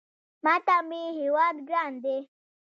ماته مې هېواد ګران دی